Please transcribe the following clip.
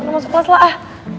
masuk kelas lah ah